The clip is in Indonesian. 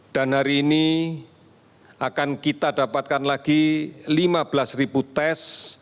dan hari ini akan kita dapatkan lagi lima belas tes